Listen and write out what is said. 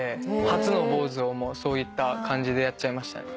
初の坊主をそういった感じでやっちゃいましたね。